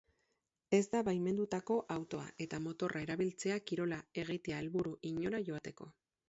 Ez da baimenduko autoa eta motorra erabiltzea kirola egitea helburu inora joateko.